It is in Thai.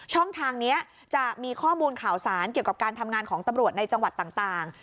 ช่องทางนี้จะมีข้อมูลข่าวสารเกี่ยวกับการทำงานของตำรวจในจังหวัดต่าง